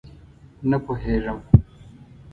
_نه پوهېږم.